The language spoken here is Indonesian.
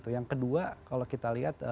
yang kedua kalau kita lihat